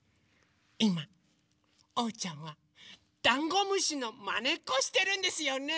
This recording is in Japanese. いまおうちゃんはダンゴムシのまねっこしてるんですよね。